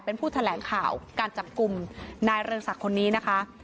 เป็นผู้แถลงข่าวการจับกลุ่มนายเรืองศักดิ์คนนี้นะคะ